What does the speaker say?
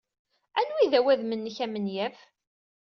Anwa ay d awadem-nnek amenyaf?